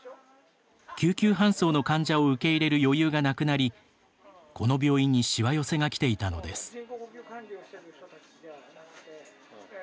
救急搬送の患者を受け入れる余裕がなくなりこの病院にしわ寄せがきていたのです。